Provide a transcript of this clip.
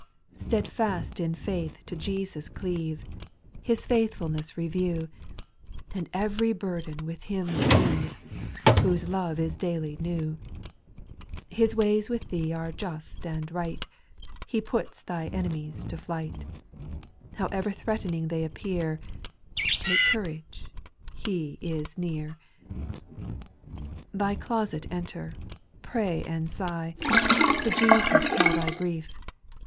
■' Steadfast in faith to Jesus cleave, His faithfulness review, And ev'ry burden with Ilim leave, Whose love is daily new : His ways with thee are just and right, He puts thy enemies to flight, However threatening they appear, — Take courage, He is near. 3. Thy closet enter, pray and sigh, To Jesus tell thy grief.